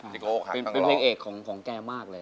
จะเป็นเพลงเอกของแกมากเลย